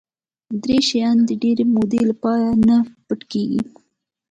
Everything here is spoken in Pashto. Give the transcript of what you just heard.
دری شیان د ډېرې مودې لپاره نه پټ کېږي.